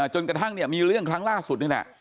จนกระทั่งเนี่ยมีเรื่องครั้งล่าสุดนี่แหละ